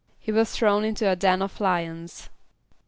=He was thrown into a den of lions.